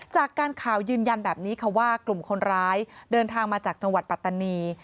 จากการข่าวยืนยันแบบนี้ค่ะว่ากลุ่มคนร้ายเดินทางมาจากจังหวัดปัตตานี